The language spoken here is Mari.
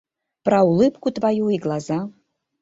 Про улыбку твою и глаза.